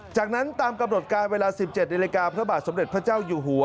จากนั้นตามกำหนดการเวลา๑๗นาฬิกาพระบาทสมเด็จพระเจ้าอยู่หัว